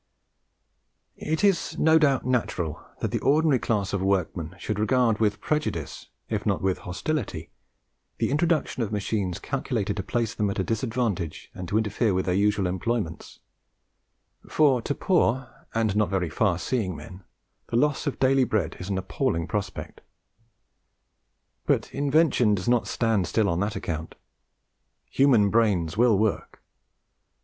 It is, no doubt, natural that the ordinary class of workmen should regard with prejudice, if not with hostility, the introduction of machines calculated to place them at a disadvantage and to interfere with their usual employments; for to poor and not very far seeing men the loss of daily bread is an appalling prospect. But invention does not stand still on that account. Human brains WILL work.